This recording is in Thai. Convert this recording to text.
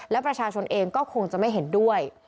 และประชาชนเองก็คงจะไม่เห็นด้วย